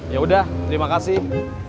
ya udah terima kasih